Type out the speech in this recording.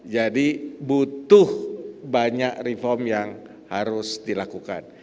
jadi butuh banyak reform yang harus dilakukan